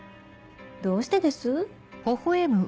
どうしてです？